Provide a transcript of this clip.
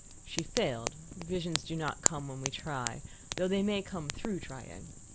She failed visions do not come when we try, though they may come through trying.